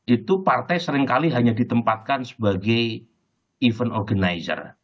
itu partai seringkali hanya ditempatkan sebagai event organizer